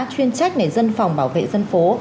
chuyên trách này dân phòng bảo vệ dân phố